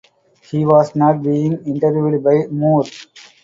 He was not being interviewed by Moore.